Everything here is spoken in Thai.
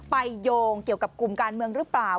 โยงเกี่ยวกับกลุ่มการเมืองหรือเปล่า